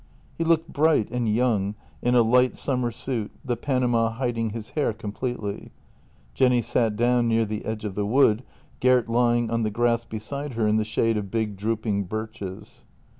He looked bright and young in a light summer suit, the panama hiding his hair completely. Jenny sat down near the edge of the wood, Gert lying on the grass beside her in the shade of big drooping birches.